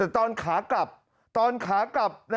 แต่ตอนขากลับ